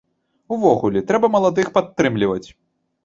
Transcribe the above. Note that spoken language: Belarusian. Увогуле, трэба маладых падтрымліваць.